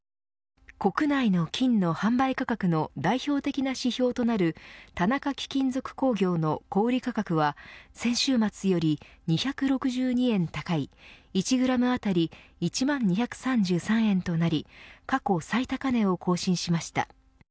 国内の金の販売価格の代表的な指標となる田中貴金属工業の小売価格は先週末より２６２円高い１グラム当たり１万２３３円となり過去最高値を更新しました。